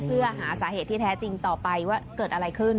เพื่อหาสาเหตุที่แท้จริงต่อไปว่าเกิดอะไรขึ้น